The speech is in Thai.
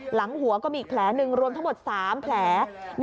หลังหัวก็มีอีกแผลหนึ่งรวมทั้งหมด๓แผล